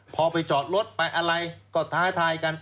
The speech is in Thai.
พอไปจอดรถไปอะไรก็ท้าทายกัน